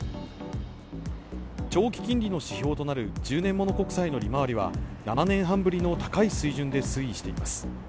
長期金利の指標となる１０年物国債の利回りは７年半ぶりの高い水準で推移しています。